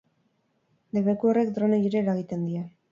Debeku horrek dronei ere eragiten die.